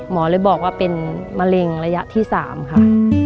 หมอเลยบอกว่าเป็นมะเร็งระยะที่๓ค่ะ